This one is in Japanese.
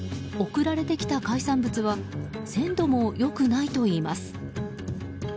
送られてきた海産物は鮮度も良くないといいます。